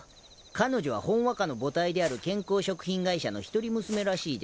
彼女はほんわかの母体である健康食品会社の一人娘らしいです。